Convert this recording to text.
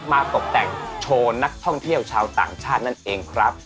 ตกแต่งโชว์นักท่องเที่ยวชาวต่างชาตินั่นเองครับ